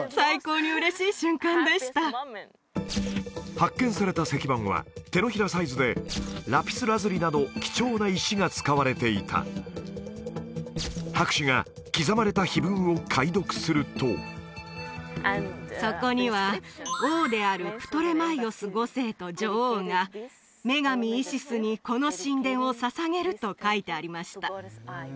発見された石板は手のひらサイズでラピスラズリなど貴重な石が使われていた博士が刻まれた碑文を解読するとそこには王であるプトレマイオス５世と女王が女神イシスにこの神殿を捧げると書いてありました